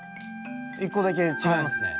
１個だけ違いますね。